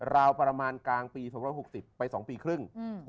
ราวประมาณกลางปี๒๖๐ไป๒ปีครึ่ง